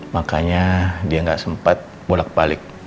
makanya dia gak sempet bolak balik